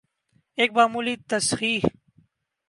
ایک معمولی تصحیح۔